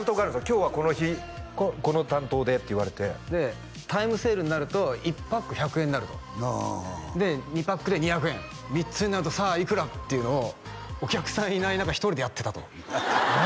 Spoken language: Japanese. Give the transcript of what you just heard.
今日はこの日この担当でって言われてタイムセールになると１パック１００円になるとで２パックで２００円３つになるとさあいくら？っていうのをお客さんいない中１人でやってたと何？